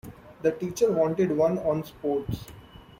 The teachers wanted one on sports.